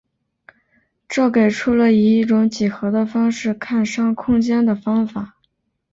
这给出了以一种几何的方式看商空间的方法。